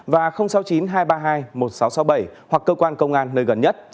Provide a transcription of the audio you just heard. và sáu mươi chín hai trăm ba mươi hai một nghìn sáu trăm sáu mươi bảy hoặc cơ quan công an nơi gần nhất